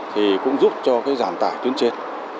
thì cũng giúp cho cái giảm tải tuyến trên